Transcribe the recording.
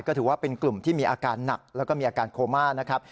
ก็ถือว่าเป็นกลุ่มที่มีอาการหนักแล้วก็มีอาการโคม่านะครับ